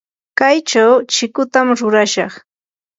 kaychaw chikutam rurashaq.